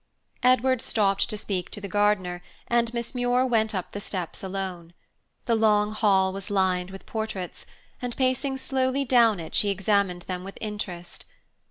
Edward stopped to speak to the gardener, and Miss Muir went up the steps alone. The long hall was lined with portraits, and pacing slowly down it she examined them with interest.